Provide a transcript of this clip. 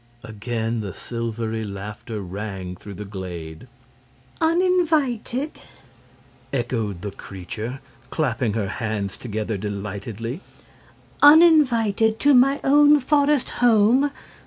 Again the silvery laughter rang through the glade. "Uninvited!" echoed the creature, clapping her hands together delightedly; "uninvited to my own forest home!